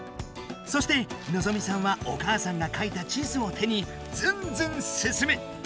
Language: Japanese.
そしてのぞみさんはお母さんがかいた地図を手にずんずん進む！